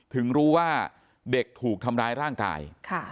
ถึงรู้ว่าเด็กถูกทำร้ายร่างกาย